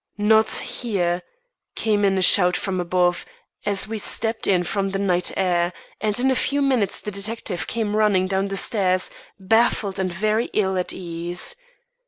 "Not here!" came in a shout from above, as we stepped in from the night air; and in a few minutes the detective came running down the stairs, baffled and very ill at ease.